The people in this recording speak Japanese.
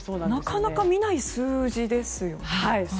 なかなか見ない数字ですよね。